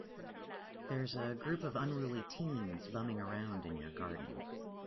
There's a group of unruly teens bumming around in your garden.